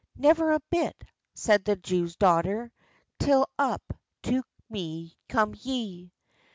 "Never a bit," says the Jew's daughter, "Till up to me come ye."